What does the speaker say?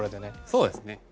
そうですね。